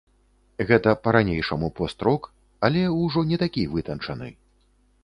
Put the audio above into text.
Гэта па-ранейшаму пост-рок, але, ўжо не такі вытанчаны.